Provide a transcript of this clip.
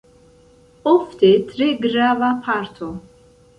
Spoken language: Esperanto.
Ofte tre grava parto.